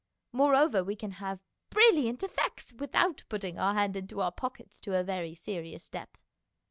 Moreover, we can have " brilliant effects without putting our hand into our pockets to a very serious depth."